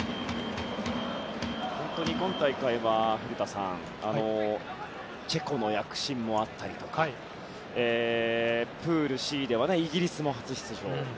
本当に今大会は古田さんチェコの躍進もあったりとかプールＣではイギリスも初出場。